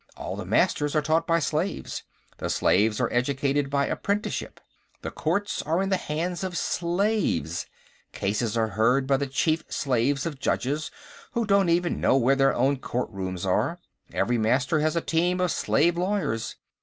All the Masters are taught by slaves; the slaves are educated by apprenticeship. The courts are in the hands of slaves; cases are heard by the chief slaves of judges who don't even know where their own courtrooms are; every Master has a team of slave lawyers.